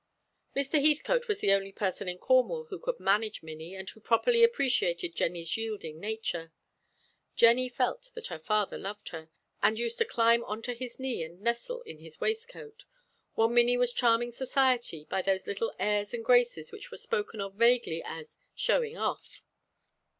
Mr. Heathcote was the only person in Cornwall who could manage Minnie, and who properly appreciated Jennie's yielding nature. Jennie felt that her father loved her, and used to climb on to his knee and nestle in his waistcoat; while Minnie was charming society by those little airs and graces which were spoken of vaguely as "showing off."